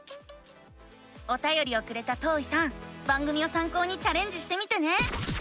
おたよりをくれたとういさん番組をさん考にチャレンジしてみてね！